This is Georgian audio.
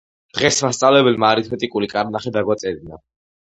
დღეს მასწავლებელმა არითმეტიკული კარნახი დაგვაწერინა